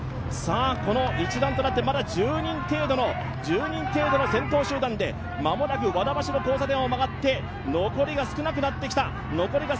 この一団となってまだ１０人程度の先頭集団で間もなく和田橋交差点を回って、残りが少なくなってきた。